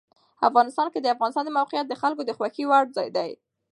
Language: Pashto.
افغانستان کې د افغانستان د موقعیت د خلکو د خوښې وړ ځای دی.